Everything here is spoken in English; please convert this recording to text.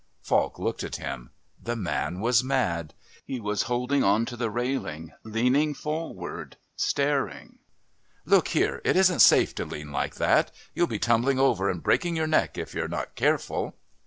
Falk looked at him. The man was mad. He was holding on to the railing, leaning forward, staring.... "Look here, it isn't safe to lean like that. You'll be tumbling over and breaking your neck if you're not careful."